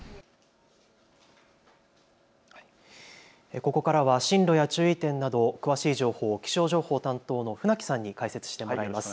ここからは進路や注意点など詳しい情報を気象情報担当の船木さんに解説してもらいます。